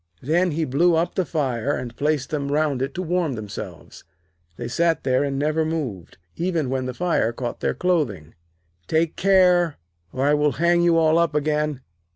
Then he blew up the fire, and placed them round it to warm themselves. They sat there and never moved, even when the fire caught their clothing. 'Take care, or I will hang you all up again.'